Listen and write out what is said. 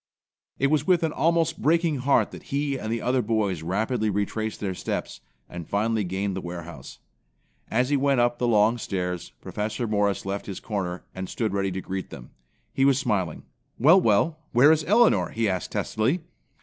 It was with an almost breaking heart that he and the other boys rapidly retraced their steps and finally gained the warehouse. As he went up the long stairs, Professor Morris left his corner, and stood ready to greet them. He was smiling. "Well, well, where is Elinor?" he asked testily.